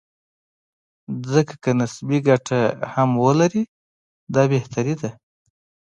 ځکه که نسبي ګټه هم ولري، دا بهتري ده.